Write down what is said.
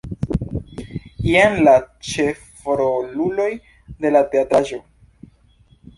Jen la ĉefroluloj de la teatraĵo.